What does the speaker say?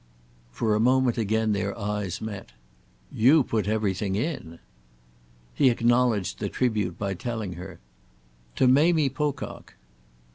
For a moment again their eyes met. "You put everything in!" He acknowledged the tribute by telling her. "To Mamie Pocock."